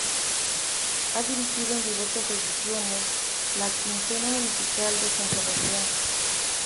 Ha dirigido en diversas ediciones la Quincena Musical de San Sebastián.